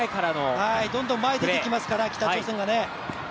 どんどん前出てきますから、北朝鮮がね。